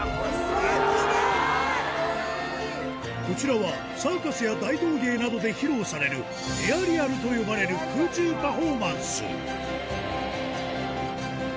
こちらはサーカスや大道芸などで披露される「エアリアル」と呼ばれる空中パフォーマンス